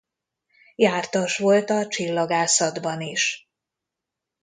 Jártas volt a csillagászatban is.